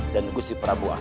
dan gusi prabu anang